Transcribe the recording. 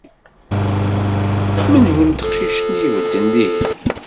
Menhu n teqcict-nni ibedden dihin?